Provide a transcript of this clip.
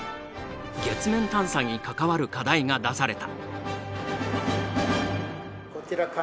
月面探査に関わる課題が出された。